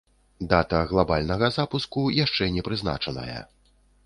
Дата глабальнага запуску яшчэ не прызначаная.